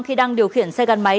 khi đang điều khiển xe gắn máy